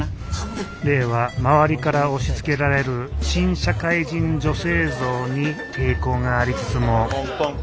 玲は周りから押しつけられる新社会人女性像に抵抗がありつつもポンポン。